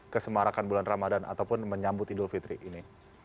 kesemarakan bulan ramadan ataupun menyambut idul fitri ini